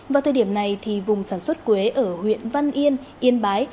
vào thời điểm này thì vùng sản xuất quế ở huyện văn yên yên bái